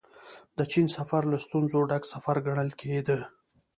د چين سفر له ستونزو ډک سفر ګڼل کېده.